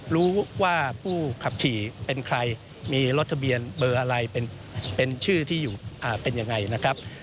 รู้ว่าผู้ขับขี่เป็นใครมีรถทะเบียนเบอร์อะไรเป็นชื่อที่อยู่เป็นยังไงนะครับ